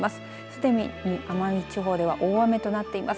すでに奄美地方では大雨となっています。